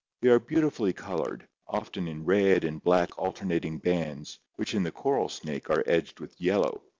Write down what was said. They are beautifully colored, often in red and black alternating bands which in the coral snake are edged with yellow.